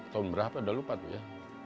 tahun berapa udah lupa tuh ya